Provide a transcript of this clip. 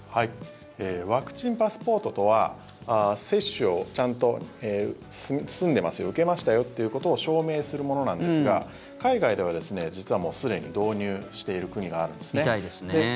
ワクチンパスポートとは接種をちゃんと済んでますよ受けましたよってことを証明するものなんですが海外では、実はもうすでに導入してる国があるんですね。